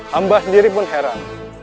hamba sendiri pun heran